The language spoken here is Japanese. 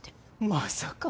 まさか。